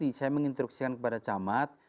tadi saya menginstruksikan kepada camat